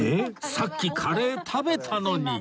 さっきカレー食べたのに！